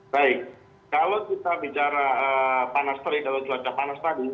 baik kalau kita bicara panas terik atau cuaca panas tadi